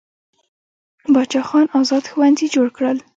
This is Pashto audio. باچا خان ازاد ښوونځي جوړ کړل.